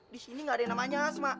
di sini nggak ada yang namanya asma